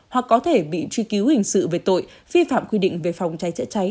hoặc có thể bị truy cứu hình sự về tội vi phạm quy định về phòng cháy chữa cháy